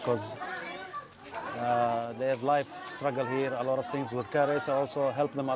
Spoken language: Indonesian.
karena mereka berjuang di sini banyak hal hal dengan karis juga membantu mereka banyak